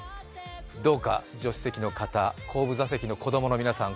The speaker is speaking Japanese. どうか、助手席の方、後部座席の子供の皆さん